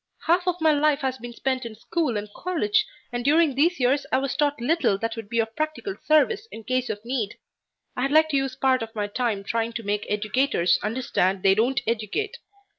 Half of my life has been spent in school and college, and during these years I was taught little that would be of practical service in case of need. I'd like to use part of my time trying to make educators understand they don't educate.